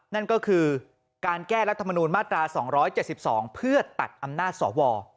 นั่นก็คือการแก้รัฐมนูลมาตรา๒๗๒เพื่อตัดอำนาจสว